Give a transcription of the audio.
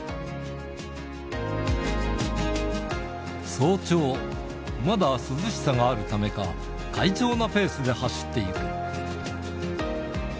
早朝、まだ涼しさがあるためか、快調なペースで走っていく。